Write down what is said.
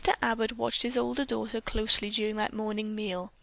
Abbott had watched his older daughter closely during that morning meal.